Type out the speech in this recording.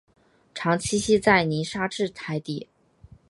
常栖息在泥沙质海底。